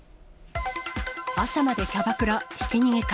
朝までキャバクラ、ひき逃げか。